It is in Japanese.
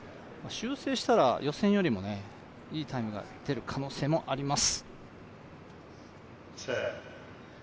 修正したら予選よりいいタイムが出る可能性もあります。